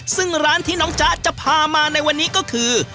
ซึ่งร้านที่น้องจ๊ะจะพามาในวันนี้ก็คือ